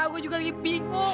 gue juga lagi bingung